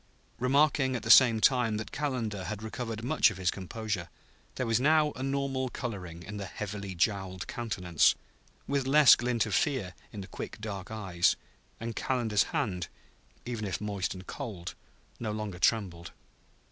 remarking at the same time that Calendar had recovered much of his composure. There was now a normal coloring in the heavily jowled countenance, with less glint of fear in the quick, dark eyes; and Calendar's hand, even if moist and cold, no longer trembled.